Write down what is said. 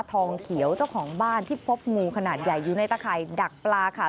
ทองเขียวเจ้าของบ้านที่พบงูขนาดใหญ่อยู่ในตะข่ายดักปลาค่ะ